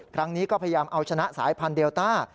ครั้งนี้ก็พยายามเอาชนะสายพันธุเดลต้า